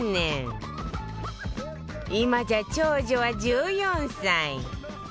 今じゃ長女は１４歳